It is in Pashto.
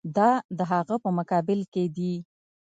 دا د هغه په مقابل کې دي.